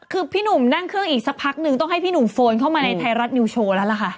คือพี่หนุ่มนั่งเครื่องอีกสักพักนึงต้องให้พี่หนุ่มโฟนเข้ามาในไทยรัฐนิวโชว์แล้วล่ะค่ะ